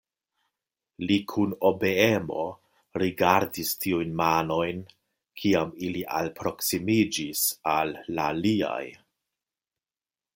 Li kun obeemo rigardis tiujn manojn, kiam ili alproksimiĝis al la liaj.